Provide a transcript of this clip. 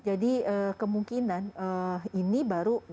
jadi kemungkinan ini baru